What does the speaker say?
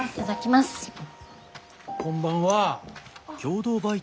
こんばんは。